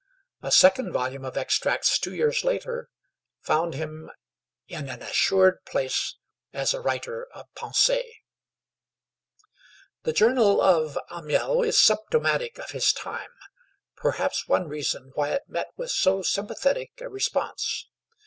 A second volume of extracts, two years later, found him in an assured place as a writer of 'Pensées.' The 'Journal' of Amiel is symptomatic of his time, perhaps one reason why it met with so sympathetic a response.